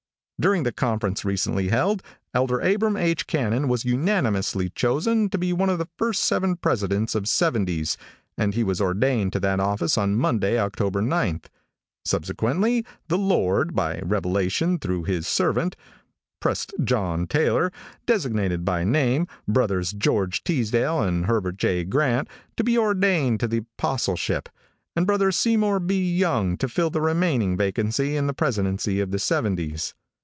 During the conference recently held, Elder Abram H. Cannon was unanimously chosen to be one of the first seven presidents of seventies, and he was ordained to that office on Monday, October 9th. Subsequently, the Lord, by revelation through His servant, Prest. John Taylor, designated by name, Brothers George Teasdale and Heber J. Grant, to be ordained to the apostleship, and Brother Seymour B. Young to fill the remaining vacancy in the presidency of the seventies.